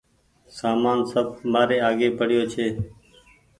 سامان سب مآري آگي پڙيو ڇي